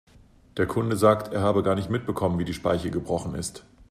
Der Kunde sagt, er habe gar nicht mitbekommen, wie die Speiche gebrochen ist.